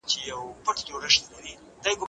ډیپلوماټیک اړیکي باید د دوه اړخیز احترام پر بنسټ وي.